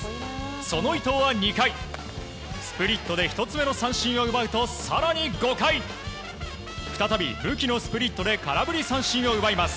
その伊藤は２回スプリットで１つ目の三振を奪うと更に５回再び、武器のスプリットで空振り三振を奪います。